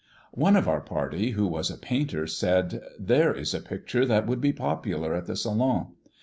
One of our party, who was a painter, said, "There is a picture that would be popular at the Salon.